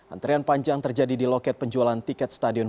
antrian panjang terjadi di loket penjualan tiket stadion